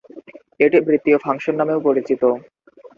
এটি বৃত্তীয় ফাংশন নামেও পরিচিত।